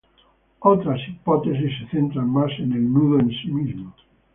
Otras hipótesis se centran más en el nudo en sí mismo.